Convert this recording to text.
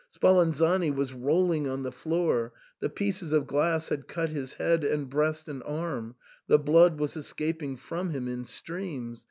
Spalanzani was rolling on the floor ; the pieces of glass had cut his head and breast and arm ; the blood was escaping from him in streams.